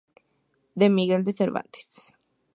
De Miguel de Cervantes.